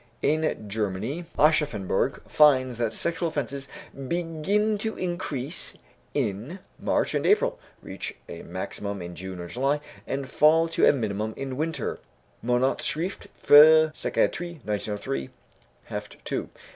In Germany, Aschaffenburg finds that sexual offences begin to increase in March and April, reach a maximum in June or July, and fall to a minimum in winter (Monatsschrift für Psychiatrie, 1903, Heft 2).